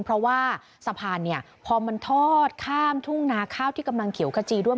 เพราะว่าสะพานเนี่ยพอมันทอดข้ามทุ่งนาข้าวที่กำลังเขียวขจีด้วย